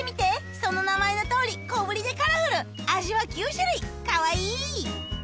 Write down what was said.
その名前の通り小ぶりでカラフル味は９種類かわいい！